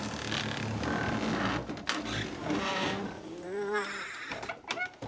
うわ。